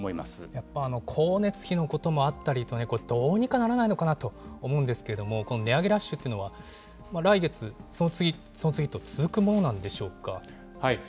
やっぱり光熱費のこともあったりとね、どうにかならないのかなと思うんですけれども、この値上げラッシュっていうのは、来月、その次、その次と続くものなんでしょうか。